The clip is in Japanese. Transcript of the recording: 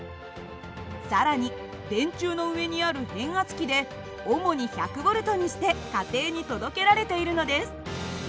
更に電柱の上にある変圧器で主に１００Ｖにして家庭に届けられているのです。